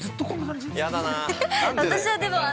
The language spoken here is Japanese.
◆嫌だなあ。